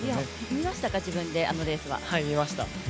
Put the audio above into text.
見ましたか、自分であのレースは。